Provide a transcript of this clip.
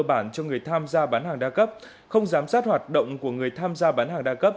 bản cho người tham gia bán hàng đa cấp không giám sát hoạt động của người tham gia bán hàng đa cấp